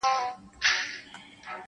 او خپل بار وړي خاموشه،